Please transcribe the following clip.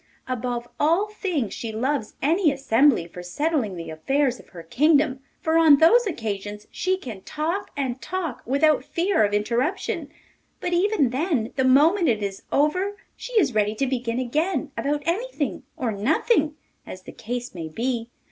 Above all things she loves any assembly for settling the affairs of her kingdom, for on those occasions she can talk and talk without fear of interruption; but, even then, the moment it is over she is ready to begin again about anything or nothing, as the case may be.